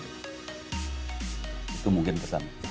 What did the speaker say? itu mungkin pesan